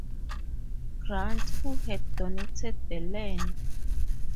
Grant, who had donated the land.